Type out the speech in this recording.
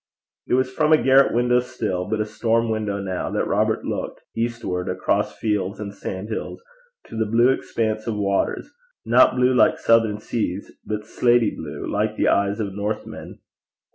It was from a garret window still, but a storm window now that Robert looked eastward across fields and sand hills, to the blue expanse of waters not blue like southern seas, but slaty blue, like the eyes of northmen.